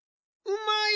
うまい！